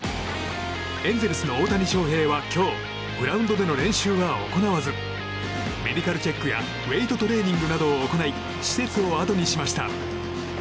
エンゼルスの大谷翔平は今日グラウンドでの練習は行わずメディカルチェックやウェートトレーニングなどを行い施設をあとにしました。